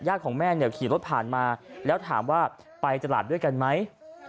ของแม่เนี่ยขี่รถผ่านมาแล้วถามว่าไปตลาดด้วยกันไหม